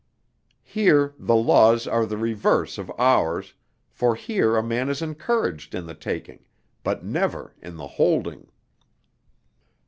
Here the laws are the reverse of ours, for here a man is encouraged in the taking, but never in the holding.